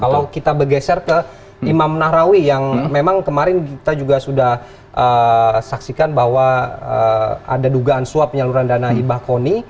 kalau kita bergeser ke imam nahrawi yang memang kemarin kita juga sudah saksikan bahwa ada dugaan suap penyaluran dana hibah koni